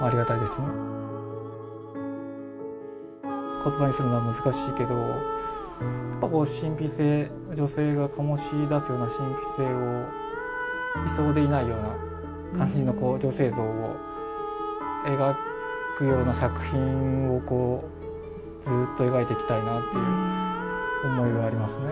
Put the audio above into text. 言葉にするのは難しいけど神秘性、女性が醸し出すような神秘性をいそうでいないような感じの女性像を描くような作品をずっと描いていきたいなっていう思いがありますね。